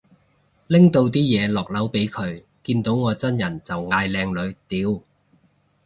拎到啲嘢落樓俾佢，見到我真人就嗌靚女，屌